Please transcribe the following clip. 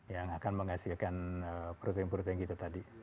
yang akan menghasilkan protein protein kita tadi